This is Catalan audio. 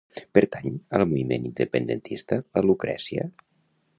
Pertany al moviment independentista la Lucresia?